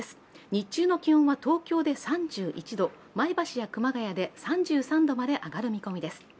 日中の気温は東京で３１度、前橋や熊谷で３３度まで上がる見込みです。